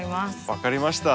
分かりました。